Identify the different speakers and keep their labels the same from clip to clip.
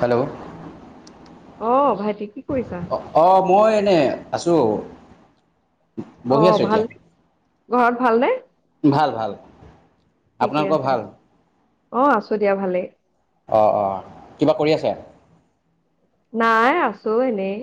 Speaker 1: Hello.
Speaker 2: অঁ, ' ভাইটি কি কৰিছা?
Speaker 1: অ', অঁ' মই এনেই আছোঁ।
Speaker 2: অ
Speaker 1: বহি আছো
Speaker 2: ভাল
Speaker 1: এতিয়া।
Speaker 2: ঘৰত ভালনে?
Speaker 1: ভাল, ভাল।
Speaker 2: ঠিকে
Speaker 1: আপোনালোকৰ
Speaker 2: আছে।
Speaker 1: ভাল
Speaker 2: [unintelligible] অ, আছো দিয়া ভালেই।
Speaker 1: অঁ অঁ, কিবা কৰি আছা?
Speaker 2: নাই আছো এনেই,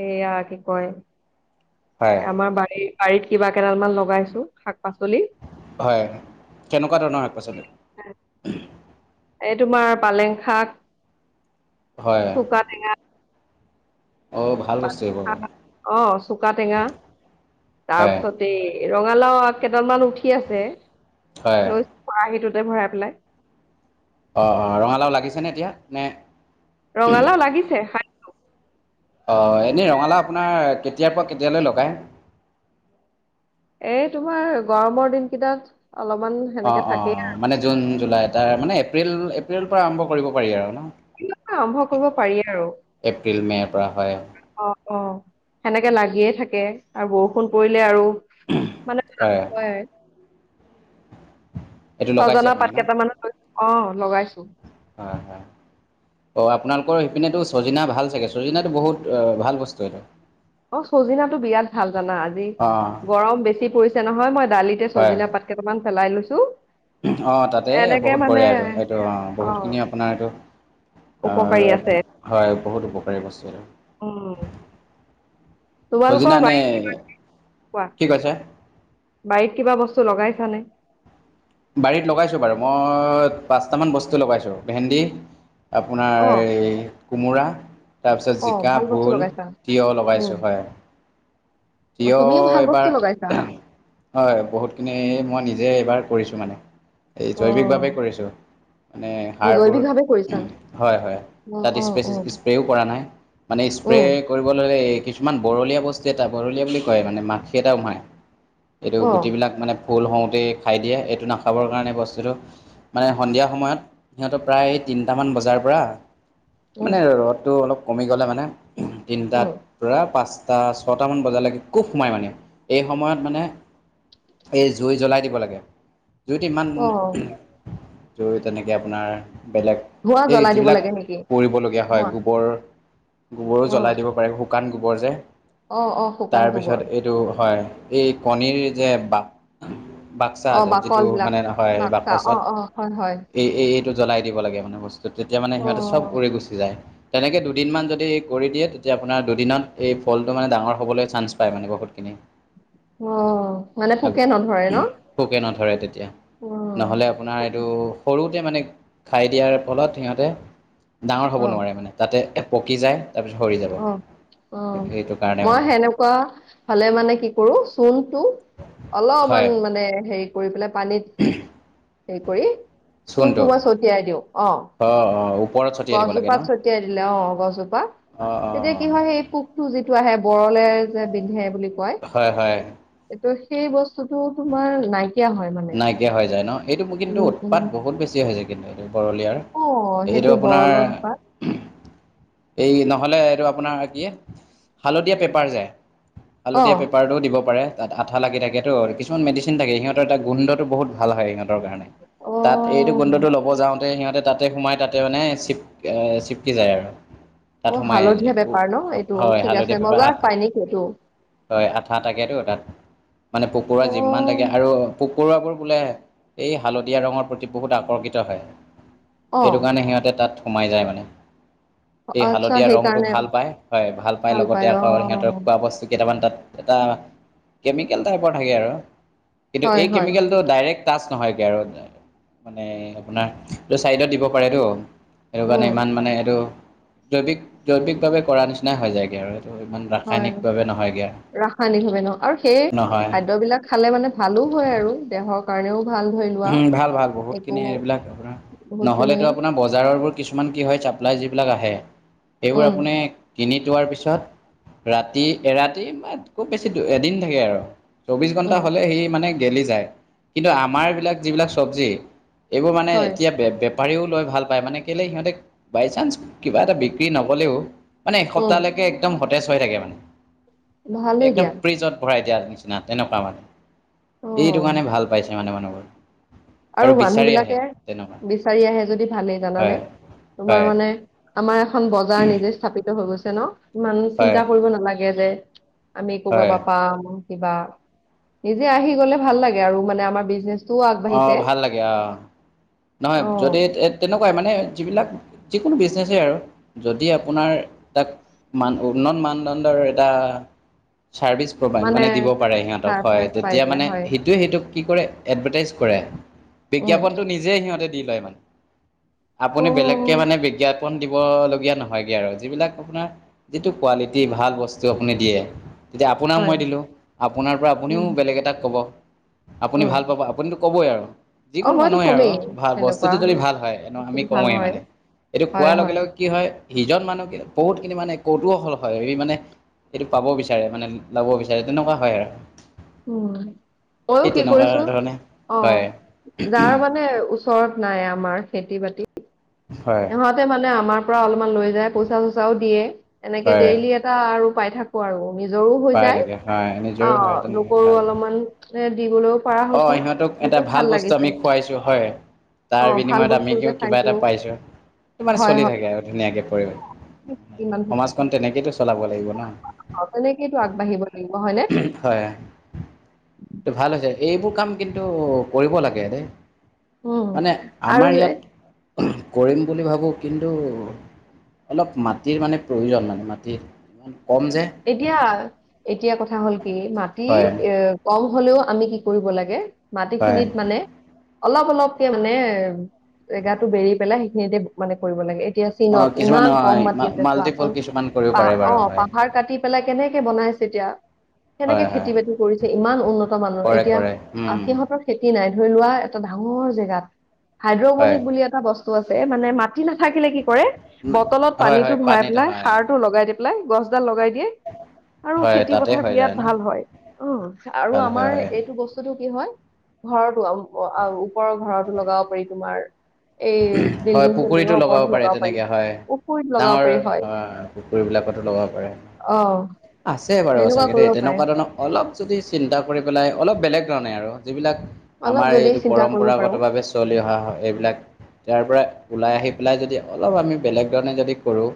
Speaker 2: এইয়া কি কয়
Speaker 1: হয়
Speaker 2: আমাৰ বাৰীৰ, বাৰীত কিবা কেইডাল মান লগাইছো, শাক-পাচলি।
Speaker 1: হয়, কেনেকুৱা ধৰণৰ শাক-পাচলি?
Speaker 2: এই, তোমাৰ পালেং শাক
Speaker 1: হয়
Speaker 2: চুকা টেঙা
Speaker 1: অঁ ভাল বস্তু এইবোৰ
Speaker 2: অ', চুকা টেঙা,
Speaker 1: হয়
Speaker 2: তাৰপিছত দেই ৰঙালাও আগ কেইডাল মান উঠি আছে
Speaker 1: হয়
Speaker 2: লৈছো খৰাহীটোতে ভৰাই পেলাই।
Speaker 1: অ'অ' ৰঙালাও লাগিছেনে এতিয়া নে
Speaker 2: ৰঙালাও লাগিছে হয়।
Speaker 1: অ'এনেই ৰঙালাও আপোনাৰ কেতিয়াৰ পৰা কেতিয়ালৈ লগায়?
Speaker 2: এই তোমাৰ, গৰমৰ দিন কেইটাত অলমান
Speaker 1: অ' অ'মানে জুন, জুলাই, তাৰ এপ্ৰিল-এপ্ৰিলৰ পৰা আৰম্ভ কৰিব পাৰি আৰু ন'।
Speaker 2: [unintelligible] আৰম্ভ কৰিব পাৰি আৰু।
Speaker 1: এপ্ৰিল মে'ৰ পৰা হয়
Speaker 2: অ'অ'সেনেকে লাগিয়ে থাকে আৰু বৰষুণ পৰিলে আৰু মানে ভাল
Speaker 1: হয়
Speaker 2: কৈ
Speaker 1: এইটো লগাইছে
Speaker 2: ছজনা
Speaker 1: আপুনি
Speaker 2: পাত
Speaker 1: ন
Speaker 2: কেইটামানো লৈছ অ'লগাইছো।
Speaker 1: হয়, হয়। অ'আপোনালোকৰ সেইপিনে চজিনা ভাল চাগে ছজিনাটো বহুত ভাল বস্তু এইটো।
Speaker 2: অ' চজিনা টো বিৰাট ভাল জানা আজি
Speaker 1: অ
Speaker 2: গৰম বেছি পৰিছে নহয় মই দালিতে
Speaker 1: হয়
Speaker 2: চজিনা পাত কেইটামান পেলাই লৈছো।
Speaker 1: অ' তাতে
Speaker 2: এনেকে
Speaker 1: বহুত
Speaker 2: মানে
Speaker 1: বঢ়িয়া এইটো, এইটো অ' বহুতখিনি আপোনাৰ এইটো
Speaker 2: উপকাৰী আছে
Speaker 1: অ'হয় বহুত উপকাৰী বস্তু আৰু এইটো।
Speaker 2: উম তোমালোকৰ
Speaker 1: চজিনা আনে,
Speaker 2: বাৰীত কোৱা
Speaker 1: কি কৈছে?
Speaker 2: বাৰীত কিবা বস্তু লগাইছানে?
Speaker 1: বাৰীত লগাইছোঁ বাৰু মই পাঁচটামান বস্তু লগাইছোঁ ভেন্দি আপোনাৰ
Speaker 2: অ
Speaker 1: এই কোমোৰা তাৰপিছত
Speaker 2: অ
Speaker 1: জিকা,
Speaker 2: ভাল বস্তু
Speaker 1: ভোল,
Speaker 2: লগাইছা
Speaker 1: তিয়হ
Speaker 2: উম
Speaker 1: লগাইছোঁ হয়।
Speaker 2: অ,
Speaker 1: তিয়হ
Speaker 2: তুমিও ভাল
Speaker 1: এইবাৰ
Speaker 2: বস্তু লগাইছা
Speaker 1: হয়, বহুতখিনি এই মই নিজে এইবাৰ কৰিছোঁ মানে এই
Speaker 2: অ
Speaker 1: জৈৱিকভাৱেই কৰিছোঁ। মানে
Speaker 2: অ
Speaker 1: সাৰবোৰ
Speaker 2: জৈৱিকভাৱে কৰিছা
Speaker 1: হয়, হয়
Speaker 2: অ অ
Speaker 1: তাত
Speaker 2: অ
Speaker 1: স্প্ৰে [unintelligible] কৰা নাই। মানে স্প্ৰে
Speaker 2: উম
Speaker 1: কৰিব ল'লে এই কিছুমান বৰলীয়া বস্তু এটা বৰলীয়া বুলি কয় মানে মাখি এটা সোমাই এইটো
Speaker 2: অ
Speaker 1: গুটিবিলাক মানে ফুল হওঁতেই খাই দিয়ে, এইটো নাখাবৰ কাৰণে বস্তুটো মানে সন্ধিয়া সময়ত সিহঁতক প্ৰায় তিনিটামান বজাৰ পৰা
Speaker 2: উম
Speaker 1: মানে ৰ'দটো অলপ কমি গ'লে মানে
Speaker 2: উম,
Speaker 1: তিনিটাত পুৰা পাঁচটা, ছটামান বজালৈকে কুফ সোমায় মানে এই সময়ত মানে এই জুই জ্বলাই দিব লাগে। জুইত ইমান
Speaker 2: অ',
Speaker 1: জুই তেনেকে আপোনাৰ বেলেগ
Speaker 2: ধোঁৱা
Speaker 1: এই
Speaker 2: জ্বলাই দিব
Speaker 1: যিবিলাক
Speaker 2: লাগে নেকি?
Speaker 1: পৰিবলগীয়া
Speaker 2: ধোঁৱা
Speaker 1: হয় গোবৰ গোবৰো জ্বলাই দিব পাৰে শুকান গোবৰ যে।
Speaker 2: অ'অ'
Speaker 1: তাৰপিছত এইটো হয়, এই কণীৰ যে বাক বাক্সা
Speaker 2: অ',
Speaker 1: যিটো
Speaker 2: বাকলবিলাক
Speaker 1: মানে নহয়
Speaker 2: বাক্সা
Speaker 1: বাকচত
Speaker 2: অ', অ', হয়, হয়,
Speaker 1: এই-এইটো জ্বলাই দিব লাগে মানে বস্তুটো তেতিয়া মানে সিহঁতে চব
Speaker 2: অ',
Speaker 1: উৰি গুচি যায়। তেনেকে দুদিনমান যদি কৰি দিয়ে তেতিয়া আপোনাৰ দুদিনত এই ফলটো মানে ডাঙৰ সকলোৱে চান্ঞ্চ পায় মানে বহুতখিনি।
Speaker 2: অ', মানে পোকে
Speaker 1: আগলে
Speaker 2: নধৰে ন?
Speaker 1: পোকে নধৰে তেতিয়া।
Speaker 2: অ',
Speaker 1: নহ'লে আপোনাৰ এইটো সৰুতে মানে খাই দিয়াৰ ফলত সিহঁতে ডাঙৰ হ'ব
Speaker 2: অ',
Speaker 1: নোৱাৰে মানে তাতে পকি যায়। তাৰপিছত সৰি যাব
Speaker 2: অ'অ'
Speaker 1: সেইটো কাৰণে
Speaker 2: মই
Speaker 1: মানে
Speaker 2: হেনেকুৱা হ'লে মানে কি কৰো চূণটো
Speaker 1: হয়
Speaker 2: অলপমান মানে হেৰি কৰি পেলাই পানীত হেৰি কৰি চূণটো মই ছটিয়াই দিওঁ অ।
Speaker 1: অ অ ওপ
Speaker 2: গছজোপাত ছটিয়াই দিলে অ গছজোপা
Speaker 1: অঁ
Speaker 2: তেতিয়া
Speaker 1: অঁ
Speaker 2: কি হয় সেই পোক, টো যিটো আহে বৰলে যে বিন্ধে বুলি,
Speaker 1: হয় হয়।
Speaker 2: সেইটো সেই বস্তুটো তোমাৰ নাইকিয়া হয়। মানে।
Speaker 1: নাইকিয়া হৈ যায় ন এইটো কিন্তু
Speaker 2: উম, উম।
Speaker 1: উৎপাত বহুত বেছি হৈ যায় কিন্তু এইটো বৰলীয়াৰ।
Speaker 2: অ',
Speaker 1: এইটো
Speaker 2: সেইটো
Speaker 1: আপোনাৰ।
Speaker 2: বৰলৰ বেপাৰ
Speaker 1: এই নহ'লে এইটো আপোনাৰ দিয়ে, হালধীয়া পেপাৰ যে, হালধীয়া
Speaker 2: অ',
Speaker 1: পেপাৰটো দিব পাৰে। তাত আঠা লাগি থাকেটো কিছুমান মেডিচিন থাকে সিহঁতৰ এটা গোন্ধটো বহু ভাল হয় ইহঁত। কাৰণে তাত এইটো
Speaker 2: অ',
Speaker 1: গোন্ধটো ল'ব যাওঁ। তে সিহঁতে তাতে সোমাই তাতে মানে চিপ চিপকি যায় আৰু, তাত
Speaker 2: অ',
Speaker 1: সোমাই
Speaker 2: হালধীয়া বেপাৰ ন' এইটো
Speaker 1: হয়
Speaker 2: ঠিক আছে
Speaker 1: হালধীয়া পেপাৰ
Speaker 2: বজাৰত
Speaker 1: আঠ।
Speaker 2: পায় নেকি এইটো?
Speaker 1: হয় আঠা থাকেতো তাত। মানে পোক পৰুৱা যিমান
Speaker 2: অ',
Speaker 1: থাকে আৰু পোক পৰুৱা বোৰ বোলে, এই হালধীয়া ৰঙৰ প্ৰতি বহুত আকৰ্ষিত হয় সেইটো
Speaker 2: অ',
Speaker 1: কাৰণে সিহঁতে তাত সোমাই যায় মানে। এই
Speaker 2: আচ্ছা
Speaker 1: হালধীয়া ৰংটো
Speaker 2: সেইকাৰণে
Speaker 1: ভাল পায় হয় ভাল পায় লগতে আকৌ সিহঁতৰ খোৱা বস্তু কেইটামান তাত, এটা কেমিকেল টাইপৰ থাকে আৰু কিন্তু
Speaker 2: হয়,
Speaker 1: এই
Speaker 2: হয়,
Speaker 1: কেমিকেল, টো ডাইৰেক্ট টাচ নহয়গে আৰু, মানে আপোনাৰ এইটো চাইডত দিব পাৰেতো সেইটো কাৰণে
Speaker 2: উম,
Speaker 1: ইমান মানে এইটো, জৈৱিক জৈৱিকভাৱে কৰা নিচিনাই হৈ যায়গে আৰু। এইটো ইমান
Speaker 2: হয়
Speaker 1: ৰাসায়নিকভাৱে নহয়গৈ
Speaker 2: ৰাসায়নিক ভাৱে ন, আৰু সেই
Speaker 1: নহয়
Speaker 2: খাদ্যবিলাক খালে মানে ভালো হয় আৰু দেহৰ। কাৰণেও ভাল ধৰি লোৱা
Speaker 1: উম, ভাল ভাল বহুতখিনি
Speaker 2: একো বহুতখিনি।
Speaker 1: বজাৰবোৰ কিছুমান কি হয় চাপ্লাই যিবিলাক আহে সেইবোৰ
Speaker 2: উম,
Speaker 1: আপুনি, কিনি থোৱাৰ পিছত ৰাতি এৰাতি বা খুব বেছি এদিন থাকে আৰু। চৌবিশ ঘণ্টা
Speaker 2: উম,
Speaker 1: হ'লে সি মানে গেলি যায় কিন্তু আমাৰ যিবিলাক চব্জি। এইবোৰ মানে
Speaker 2: হয়,
Speaker 1: এতিয়া বে বেপ বেপাৰীও লৈ ভাল পায় মানে কেলে সিহঁতে বাই চান্স কিবা এটা বিক্ৰী নগ'লেও, মানে
Speaker 2: উম,
Speaker 1: এসপ্তাহলৈকে একদম সতেজ হৈ থাকে মানে
Speaker 2: ভালেই
Speaker 1: একদম
Speaker 2: দিয়া
Speaker 1: ফ্ৰিজত ভৰাই দিয়া নিছিনা। নিচিনা তেনেকুৱা মানে এইটো
Speaker 2: অ'।
Speaker 1: কাৰণে ভাল পাইছে মানে মানুহবোৰে।
Speaker 2: আৰু মানুহ বিলাকে
Speaker 1: তেনেকুৱা
Speaker 2: বিচাৰি আহে যদি ভালেই
Speaker 1: হয়
Speaker 2: জানানে তোমাৰ
Speaker 1: হয়
Speaker 2: মানে, আমাৰ এখন বজাৰ নিজে স্থাপিত হৈ গৈছে ন ইমান
Speaker 1: হয়
Speaker 2: চিন্তা কৰিব নালাগে যে, আমি কৰবাৰ
Speaker 1: হয়
Speaker 2: পৰা পাম। কিবা নিজে আহি গ'লে ভাল লাগে আৰু মানে আমাৰ বিজনেচটোও আগ,
Speaker 1: অঁ ভাল লাগে অ নহয়
Speaker 2: অ
Speaker 1: যদি ইয়াত তেনেকুৱাই মানে যিবিলাক যিকোনো বিজনেছেই আৰু যদি আপোনাৰ তাক, মান উন্নযত মানদণ্ডৰ এটা চাৰ্ভিচ, মানে দিব পাৰে সিহঁতক হয়
Speaker 2: সাজ পাই
Speaker 1: তেতিয়া
Speaker 2: যায়
Speaker 1: মানে
Speaker 2: হয়
Speaker 1: সেইটোৱে সেইটোক কি কৰে এডভাৰ্টাইজ, দিব পাৰে
Speaker 2: উম
Speaker 1: বিজ্ঞাপনটো নিজে সিহঁতে দি লয়
Speaker 2: অ
Speaker 1: আপুনি বেলেগ, একে মানে বিজ্ঞাপন দিব লগীয়া নহয়গে আৰু যিবিলাক আপোনাৰ, যিটো কোৱালিটি ভাল বস্তু আপুনি দিয়ে। এতিয়া আপোনাক
Speaker 2: হয়
Speaker 1: মই দিলোঁ আপোনাৰ পৰা আপুনিও
Speaker 2: উম
Speaker 1: বেলেগ এটাক ক'ব আপুনি
Speaker 2: উম
Speaker 1: ভাল পাব, আপুনিটো ক'বই আৰু।
Speaker 2: অ
Speaker 1: যিকোনো
Speaker 2: মইতো
Speaker 1: মানুহে আৰু
Speaker 2: কমেই
Speaker 1: ভা
Speaker 2: সেনেকুৱা
Speaker 1: বস্তুটো
Speaker 2: আৰু
Speaker 1: যদি ভাল হয়। এনু আমি
Speaker 2: বস্তুটো ভাল
Speaker 1: কওঁৱেই
Speaker 2: হয়
Speaker 1: মানে এইটো
Speaker 2: হয়
Speaker 1: কোৱাৰ লগে
Speaker 2: হয়
Speaker 1: লগে কি হয়, সিজন মানুহ কি বহুতখিনি মানে কৌতুহল হয় এই মানে। সেইটো পাব বিচাৰে, মানে লব বিচাৰে তেনেকুৱা হয় আৰু।
Speaker 2: উম মইও
Speaker 1: এই
Speaker 2: কি
Speaker 1: তেনেকুৱা
Speaker 2: কৰিছো
Speaker 1: ধৰণে
Speaker 2: অ
Speaker 1: হয়
Speaker 2: যাৰ মানে ওচৰত নাই আমাৰ খেতি-বাতি।
Speaker 1: হয়
Speaker 2: সিহঁতে মানে আমাৰ পৰা অলপমান লৈ যায়। পইচা-চইচাও দিয়ে এনেকে
Speaker 1: হয়
Speaker 2: ডেইলি এটা আৰু পাই থাকো আৰু নিজৰো হৈ
Speaker 1: পাই
Speaker 2: যায়
Speaker 1: থাকে হয় নিজৰো হয়
Speaker 2: অ' লোকৰো অলপমান। এ দিবলওঁ।
Speaker 1: অ' সিহঁতক এটা ভাল বস্তু আমি খুৱাইছো হয়। তাৰ
Speaker 2: অ ভাল
Speaker 1: বিনিময়ত
Speaker 2: বস্তু
Speaker 1: আমি কিউ
Speaker 2: যে
Speaker 1: কিবা
Speaker 2: খাইছো
Speaker 1: এটা পাইছো। সিমানে
Speaker 2: হয়
Speaker 1: চলি থাকে আৰু ধুনীয়াকে কৰি,
Speaker 2: হয় ইমান ধুনীয়া
Speaker 1: সমাজখন তেনেকেইতো চলাব লাগিব ন
Speaker 2: অ সেনেকেইটো আগবঢ়িব লাগিব হয় নে।
Speaker 1: হয় এইটো ভাল হৈছে। এইবোৰ কাম কিন্তু কৰিব লাগে দেই,
Speaker 2: উম
Speaker 1: মানে
Speaker 2: আৰু
Speaker 1: আমাৰ
Speaker 2: যে
Speaker 1: ইয়াত কৰিম বুলি ভাবোঁ কিন্তু অলপ মাটিৰ মানে প্ৰয়োজন মানে মাটিৰ কম যে
Speaker 2: এতিয়া এতিয়া কথা হ'ল কি মাটি
Speaker 1: হয়
Speaker 2: এ কম হ'লেও আমি কি কৰিব লাগে
Speaker 1: হয়
Speaker 2: মাটিখিনিত মানে অলপ, অলপকে মানে জেগাটো বেৰি পেলাই সেইখিনিতে মানে কৰিব লাগে এতিয়া চীনত
Speaker 1: অঁ কিছুমান
Speaker 2: ইমান কম
Speaker 1: হয়
Speaker 2: মাটি আছে
Speaker 1: মাল্টিপল
Speaker 2: চোৱাচোন
Speaker 1: কিছুমান কৰিব
Speaker 2: পা
Speaker 1: পাৰে
Speaker 2: অ
Speaker 1: বাৰু হয়
Speaker 2: পাহাৰ কাটি পেলাই কেনেকে বনাইছে এতিয়া।
Speaker 1: হয়
Speaker 2: কেনেকে
Speaker 1: হয়
Speaker 2: খেতি- বাতি কৰিছে ইমান উন্নত মানৰ
Speaker 1: কৰে
Speaker 2: এতিয়া
Speaker 1: কৰে
Speaker 2: আহ
Speaker 1: উম
Speaker 2: সিহঁতৰ খেতি নাই ধৰি লোৱা এটা ডাঙৰ জেগাত হাইড্ৰবনিক
Speaker 1: হয়
Speaker 2: বুলি এটা বস্তু আছে এ মানে মাটি নাথাকিলে কি কৰে বটলত
Speaker 1: হয়
Speaker 2: পানীটো
Speaker 1: হয়
Speaker 2: ভৰাই
Speaker 1: পানীত
Speaker 2: পেলাই,
Speaker 1: হয়
Speaker 2: সাৰটো লগাই দি পেলাই, গছডাল লগাই দিয়ে আৰু
Speaker 1: হয়
Speaker 2: খেতি
Speaker 1: তাতে
Speaker 2: পথাৰ
Speaker 1: হৈ যায়
Speaker 2: বিৰাট
Speaker 1: ন
Speaker 2: ভাল হয়। অ', আৰু
Speaker 1: ভাল হয়
Speaker 2: আমাৰ
Speaker 1: হয়
Speaker 2: এইটো বস্তুটো কি হয় ঘৰতো আৰু আৰু ওপৰৰ ঘৰতো লগাব পাৰি তোমাৰ। এই
Speaker 1: হয়
Speaker 2: বিল্ডিং-
Speaker 1: পুখুৰীতো
Speaker 2: চিল্ডিঙৰ ওপৰতো
Speaker 1: পাৰে
Speaker 2: লগাব পাৰি
Speaker 1: তেনেকে
Speaker 2: পুখুৰীত লগাব পাৰি হয়।
Speaker 1: পুকুৰীবিলাকতো লগাব পাৰে।
Speaker 2: অ'।
Speaker 1: আছে বাৰু
Speaker 2: এনেকুৱা
Speaker 1: সঁচাকে দেই
Speaker 2: কৰিব পাৰে।
Speaker 1: তেনেকুৱা ধৰণৰ অলপ যদি চিন্তা কৰি পেলাই, অলপ বেলেগ ধৰণে আৰু যিবিলাক।
Speaker 2: অলপ
Speaker 1: আমাৰ
Speaker 2: যদি
Speaker 1: এইটো
Speaker 2: চিন্তা কৰিব পাৰো।
Speaker 1: পৰম্পৰাগতভাৱে চলি অহা হয় এইবিলাক। ইয়াৰ পৰা ওলাই আহি পেলাই যদি অলপ আমি বেলেগ ধৰণে যদি কৰো।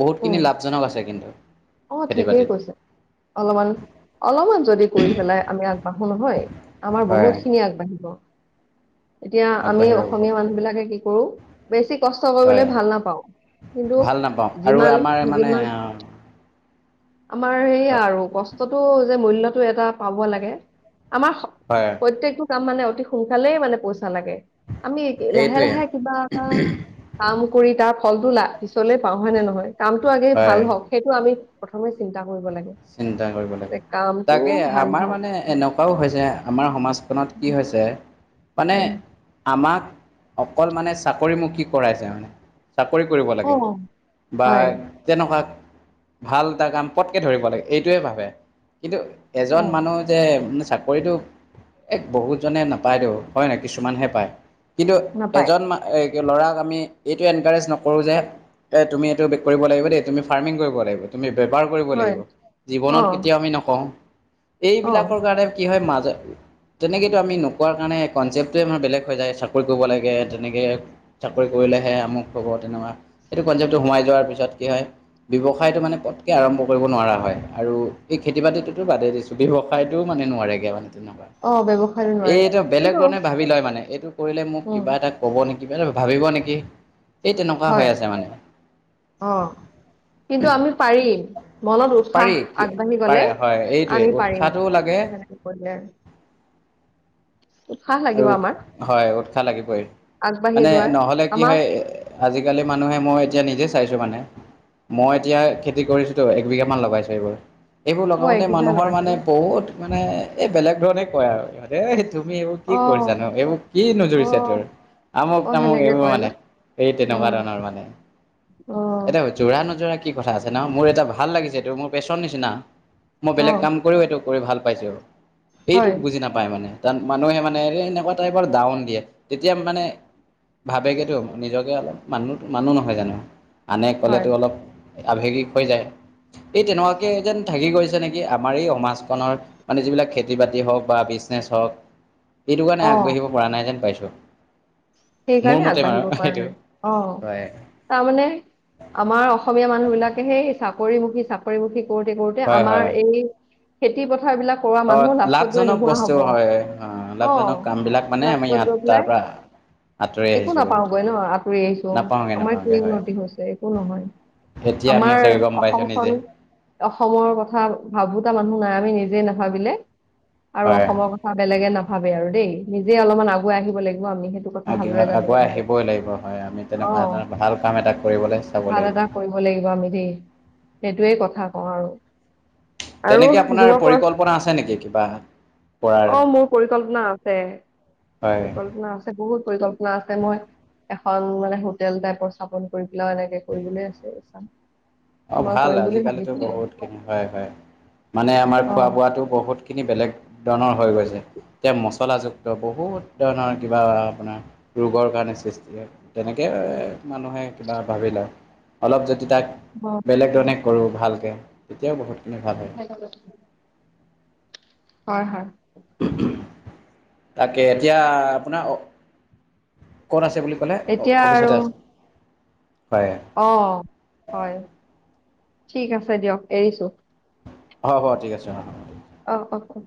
Speaker 1: বহুতখিনি
Speaker 2: উম,
Speaker 1: লাভজনক আছে কিন্তু
Speaker 2: অ'
Speaker 1: খেতি-
Speaker 2: ঠিকেই
Speaker 1: বাতিত
Speaker 2: কৈছে। অলপমান, অলপমান যদি কৰি পেলাই আমি আগবাঢ়ো নহয় আমাৰ
Speaker 1: হয়
Speaker 2: বহুত খিনি আগবাঢ়িব। এতিয়া আমি
Speaker 1: আগবাঢ়িব বহুত
Speaker 2: অসমীয়া মানুহ বিলাকে কি কৰো। বেছি কষ্ট কৰিবলে
Speaker 1: হয়
Speaker 2: ভাল নাপাওঁ কিন্তু
Speaker 1: ভাল নাপাওঁ আৰু
Speaker 2: যিমান
Speaker 1: আমাৰ মানে
Speaker 2: যিমান
Speaker 1: আ
Speaker 2: আমাৰ এয়া আৰু কষ্টটো যে মূল্যটো এটা পাব লাগে আমাৰ স
Speaker 1: হয়।
Speaker 2: প্রত্যকটো কাম মানে অতি সোনকালেই মানে পইচা লাগে। আমি লাহে,
Speaker 1: এইটোৱে
Speaker 2: লাহে কিবা এটা কাম কৰি তাৰ ফলটো লা- পিছলে পাওঁ হয় নে নহয় কামটো আগে
Speaker 1: হয়
Speaker 2: ভাল হওঁক। সেইটো আমি প্ৰথমে চিন্তা কৰিব লাগে।
Speaker 1: চিন্তা কৰিব
Speaker 2: যে
Speaker 1: লাগে।
Speaker 2: কামটো
Speaker 1: তাকে
Speaker 2: ভাল
Speaker 1: আমাৰ
Speaker 2: হওক
Speaker 1: মানে এনেকুৱাও হৈছে আমাৰ সমাজখনত কি হৈছে মানে
Speaker 2: উম।
Speaker 1: আমাক অকল মানে চাকৰিমুখী কৰাই চে মানে। চাকৰি কৰিব
Speaker 2: অ
Speaker 1: লাগে বা
Speaker 2: হয়
Speaker 1: তেনেকুৱা ভাল এটা কাম পটকৈ ধৰিব লাগে। এইটোৱে ভাবে কিন্তু এজন
Speaker 2: অ
Speaker 1: মানুহ যে চাকৰিটো এ বহুত জনে নাপায় ত হয় ন কিছুমানহে পায় কিন্তু
Speaker 2: নাপায়
Speaker 1: এজন মা এ ল'ৰাক আমি এইটো এনকাৰেজ নকৰোঁ যে এ তুমি এইটো কৰিব লাগিবেই তুমি ফাৰ্মিং কৰিব লাগিব। তুমি বেপাৰ কৰিব
Speaker 2: হয়
Speaker 1: লাগিব,
Speaker 2: অ
Speaker 1: জীৱনত কেতিয়াও আমি নকওঁ,
Speaker 2: অ
Speaker 1: এইবিলাকৰ কাৰণে কি হয় মাজত তেনেকেতো আমি নোকোৱাৰ কাৰণে কনচেপ্টোৱে আমাৰ বেলেগ হৈ যায় চাকৰি কৰিব লাগে তেনেকে চাকৰি কৰিলেহে আমু হ'ব তেনেকুৱা সেইটো কনচেপ্টটো সোমাই যোৱাৰ পিছত কি হয় ব্যৱসায়টো মানে পটকৈ আৰম্ভ কৰিব নোৱাৰা হয়। আৰু এই খেতি বাতিটোতো বাদেই দিছোঁ ব্যৱসায়টোও মানে নোৱাৰেগৈ মানে তেনেকুৱা।
Speaker 2: অ ব্যৱসায়ো নোৱাৰে
Speaker 1: এইটো বেলেগ
Speaker 2: কিন্তু
Speaker 1: ধৰণে ভাবি লয় মানে এইটো কৰিলে মোক
Speaker 2: উম
Speaker 1: কিবা এটা ক'ব নেকি মান ভাবিব নেকি এই তেনেকুৱা
Speaker 2: হয়
Speaker 1: হৈ আছে মানে।
Speaker 2: অ কিন্তু আমি পাৰিম। মনত
Speaker 1: পাৰি
Speaker 2: উৎসাহ আগবাঢ়ি গলে
Speaker 1: পাৰে হয় এইটোৱে
Speaker 2: আমি পাৰিম
Speaker 1: উৎসাহটোও লাগে
Speaker 2: সনেকে কৰিলে। উৎসাহ লাগিব
Speaker 1: আৰু
Speaker 2: আমাৰ
Speaker 1: হয় উৎসাহ লাগিবই,
Speaker 2: আগবাঢ়ি
Speaker 1: মানে
Speaker 2: যোৱাৰ
Speaker 1: নহ'লে কি
Speaker 2: আমাক
Speaker 1: হয় আজিকালি মানুহে মই এতিয়া নিজে চাইছো মানে মই এতিয়া খেতি কৰিছোতো একবিঘা মান লগাইছো এইবোৰ এইবোৰ
Speaker 2: অ
Speaker 1: লগাওঁতে
Speaker 2: একবিঘা
Speaker 1: মানুহৰ
Speaker 2: লগাইছে
Speaker 1: মানে
Speaker 2: ন
Speaker 1: বহুত মানে এই বেলেগ ধৰণে কয় আৰু ইিহঁতে তুমি এইবোৰ কি
Speaker 2: অ
Speaker 1: কৰিছানো এইবোৰ কি
Speaker 2: অ
Speaker 1: নোজুৰিছে তোৰ? আমুক
Speaker 2: অ
Speaker 1: তামুক
Speaker 2: সেনেকে
Speaker 1: এইবোৰ
Speaker 2: কয় ন
Speaker 1: মানে এই তেনেকুৱা ধৰণৰ মানে।
Speaker 2: অহ।
Speaker 1: এতিয়া যোৰা নোযোৰা কি কথা আছে ন মোৰ এটা ভাল লাগিছেটো মোৰ পেচন নিচিনা। মই
Speaker 2: অ
Speaker 1: বেলেগ কাম কৰিও এইটো কৰি ভাল পাইছো। সেইটোক
Speaker 2: হয়
Speaker 1: বুজি নাপায় মানে ত মানুহে মানে এনেকুৱা টাইপৰ ডাউন দিয়ে তেতিয়া মানে ভাবেগেতো নিজকে অলপ মানুহ মানুহ নহয় জানো আনে
Speaker 2: হয়
Speaker 1: ক'লেতো অলপ আৱেগিক হৈ যায়, এই তেনেকুৱাকৈ যেন থাকি গৈছে নেকি আমাৰ এই সমাজখনত মানে যিবিলাক বাতি হওঁক বা বিজনেচ হওঁক এইটো কাৰণে
Speaker 2: অ
Speaker 1: আগবাঢ়িব পৰা নাই যেন পাইছোঁ। মোৰ
Speaker 2: সেইকাৰণে
Speaker 1: মতে বাৰু
Speaker 2: আগবাঢ়িব পৰা
Speaker 1: সেইটো
Speaker 2: নাই অহ।
Speaker 1: হয়
Speaker 2: তাৰমানানে আমাৰ অসমীয়া মানুহ বিলাকে সেই চাকৰিমুখী চাকৰিমুখী কৰোতে কৰোতে
Speaker 1: হয় হয়
Speaker 2: আমাৰ এই খেতি পথাৰ বিলাক সৰু সুৰা
Speaker 1: অ'
Speaker 2: মানুহ লাষ্টত গৈ
Speaker 1: লাভজনক
Speaker 2: নোহোৱা
Speaker 1: বস্তু
Speaker 2: হব,
Speaker 1: হয়
Speaker 2: অ
Speaker 1: লাভজনক কামবিলাক মানে আমি
Speaker 2: লাষ্টত
Speaker 1: ইয়াত তাৰ
Speaker 2: গৈপিলাই
Speaker 1: পৰা আঁতৰি
Speaker 2: একো
Speaker 1: আহিছোঁ
Speaker 2: নাপাও গৈ
Speaker 1: বহুতখিনি
Speaker 2: ন আঁতৰি আহিছো
Speaker 1: নাপাওঁগে
Speaker 2: আমাৰ কি
Speaker 1: নাপাওঁগে হয়
Speaker 2: উন্নতি হৈছে একো নহয়।
Speaker 1: এতিয়া আমি
Speaker 2: আমাৰ
Speaker 1: চাগে গম
Speaker 2: অসম
Speaker 1: পাইছোঁ
Speaker 2: খন
Speaker 1: নিজে
Speaker 2: অসমৰ কথা ভাবোতা মানুহ নাই আমি নিজে নাভাবিলে আৰু
Speaker 1: হয়
Speaker 2: অসমৰ কথা বেলেগে নাভাবে আৰু দেই নিজে অলপমান আগুৱাই আহিব লাগিব আমি সেইটো কথা
Speaker 1: অ
Speaker 2: ভালদৰে জানিব
Speaker 1: আগুৱাই আহিবই লাগিব হয় আমি
Speaker 2: অ
Speaker 1: তেনেকুৱা এ ভাল কাম এটা কৰিবলৈ চাব লাগিব।
Speaker 2: ক'ব লাগিব আৰু দেই সেইটোৱে কথা কওঁ আৰু। আৰু
Speaker 1: তেনেকে আপোনাৰ
Speaker 2: যুৱ প্ৰ
Speaker 1: পৰিকল্পনা আছে নেকি কিবা? কৰাৰ
Speaker 2: অ মোৰ পৰিকল্পনা আছে,
Speaker 1: হয়
Speaker 2: পৰিকল্পনা আছে বহুত পৰিকল্পনা আছে মই এখন মানে হোটেল টাইপৰ স্থাপন কৰি পেলাইও এনেকে কৰিবলৈ আছে।
Speaker 1: অ',
Speaker 2: মই
Speaker 1: ভাল
Speaker 2: কৰিম বুলি
Speaker 1: আজি কালিতো
Speaker 2: ভাবিছো আৰু
Speaker 1: বহুত খিনি হয় হয় মানে আমাৰ
Speaker 2: অ
Speaker 1: খোৱা বোৱাতো বহুত [unintelligible] খিনি বেলেগ ধৰণৰ হৈ গৈছে। এতিয়া মচলাযুক্ত বহুত ধৰণৰ কিবা আপোনাৰ ৰোগৰ কাৰণে সৃষ্টি হয়। তেনেকে মানুহে কিবা ভাবি লে অলপ যদি তাক
Speaker 2: [unintelligible]
Speaker 1: বেলেগ ধৰণে কৰোঁ ভালকে তেতিয়াও বহুতখিনি ভাল হয়।
Speaker 2: [unintelligible] হয়, হয়।
Speaker 1: [unintelligible] তাকে এতিয়া আপোনাৰ ক'ত আছে বুলি ক'লে, অ'
Speaker 2: এতিয়া আৰু
Speaker 1: অফিচতে আছে হয়।
Speaker 2: অ' হয় ঠিক আছে দিয়ক এৰিছোঁ।
Speaker 1: হ'ব ঠিক আছে অ'।
Speaker 2: অ', অ', অ'।